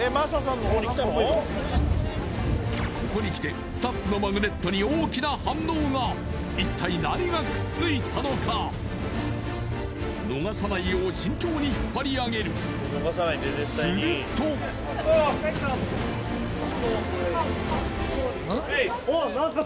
ここにきてスタッフのマグネットに大きな反応が一体何がくっついたのか逃さないよう慎重に引っ張りあげるするとヘイ！